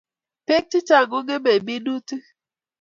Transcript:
peek chechang kongmey minutiik